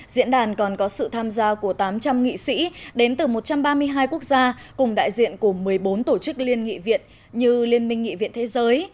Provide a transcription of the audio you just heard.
diễn đàn còn có sự tham gia của tám trăm linh nghị sĩ đến từ một trăm ba mươi hai quốc gia cùng đại diện của một mươi bốn tổ chức liên nghị viện như liên minh nghị viện thế giới